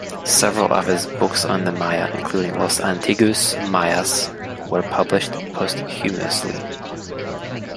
Several of his books on the Maya, including "Los Antiguos Mayas", were published posthumously.